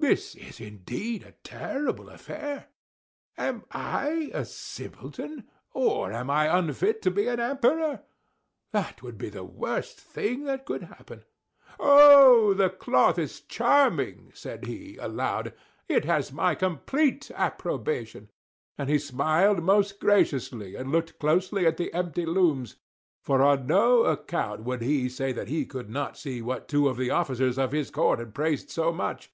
This is indeed a terrible affair! Am I a simpleton, or am I unfit to be an Emperor? That would be the worst thing that could happen Oh! the cloth is charming," said he, aloud. "It has my complete approbation." And he smiled most graciously, and looked closely at the empty looms; for on no account would he say that he could not see what two of the officers of his court had praised so much.